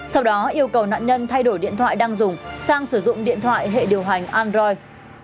sau đó yêu cầu nạn nhân thay đổi điện thoại đang dùng sang sử dụng điện thoại hệ điều hành android